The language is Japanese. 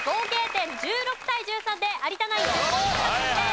という事で合計点１６対１３で有田ナイン１０ポイント獲得です。